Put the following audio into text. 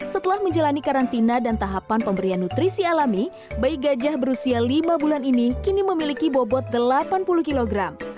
setelah menjalani karantina dan tahapan pemberian nutrisi alami bayi gajah berusia lima bulan ini kini memiliki bobot delapan puluh kg